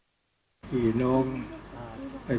ก็ต้องทำอย่างที่บอกว่าช่องคุณวิชากำลังทำอยู่นั่นนะครับ